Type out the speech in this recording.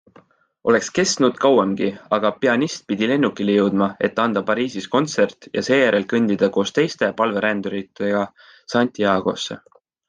Oleks kestnud kauemgi, aga pianist pidi lennukile jõudma, et anda Pariisis kontsert ja seejärel kõndida koos teiste palveränduritega Santiagosse.